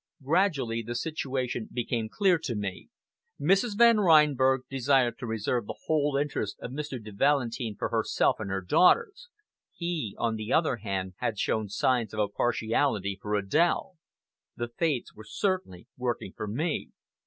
Gradually the situation became clear to me. Mrs. Van Reinberg desired to reserve the whole interest of Mr. de Valentin for herself and her daughters; he, on the other hand, had shown signs of a partiality for Adèle. The fates were certainly working for me.